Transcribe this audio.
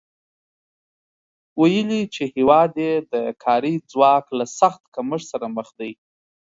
ویلي چې هېواد یې د کاري ځواک له سخت کمښت سره مخ دی